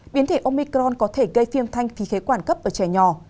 biến thể omicron có thể gây phiêm thanh phi khế quản cấp ở trẻ nhỏ